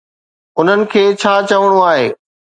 انهن کي ڇا چوڻو آهي؟